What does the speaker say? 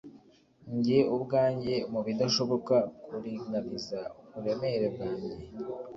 njye ubwanjye mubidashoboka, kuringaniza uburemere bwanjye